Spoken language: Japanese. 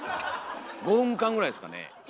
５分間ぐらいですかね